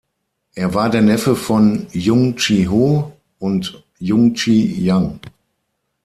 Er war der Neffe von Yun Chi-ho und Yun Chi-young.